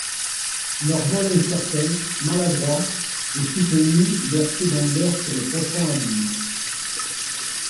Leur vol incertain, maladroit, est soutenu, bercé dans l'air sur le profond abîme.